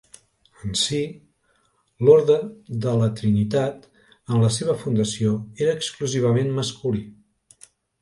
En si, l'Orde de la Trinitat, en la seva fundació, era exclusivament masculí.